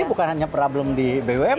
ini bukan hanya problem di bumn